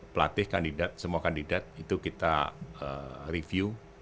pelatih kandidat semua kandidat itu kita review